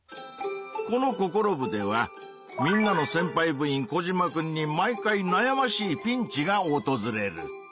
このココロ部ではみんなのせんぱい部員コジマくんに毎回なやましいピンチがおとずれる。